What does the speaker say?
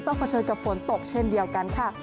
เผชิญกับฝนตกเช่นเดียวกันค่ะ